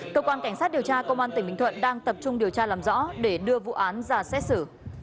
cơ quan cảnh sát điều tra công an tỉnh bình thuận đang tập trung điều tra làm rõ để đưa vụ án ra xét xử